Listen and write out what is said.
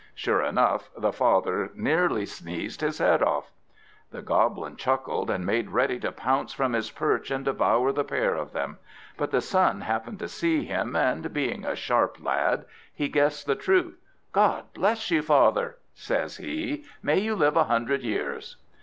Sure enough, the father nearly sneezed his head off. The Goblin chuckled, and made ready to pounce from his perch and devour the pair of them. But the son happened to see him, and, being a sharp lad, he guessed the truth. "God bless you, father!" says he; "may you live a hundred years!"